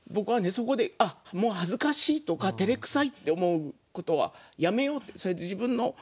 そこであっもう恥ずかしいとかてれくさいって思うことはやめようって。